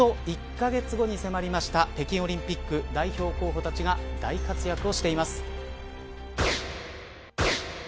ちょうど１カ月後に迫った北京オリンピック代表候補たちが大活躍をしています。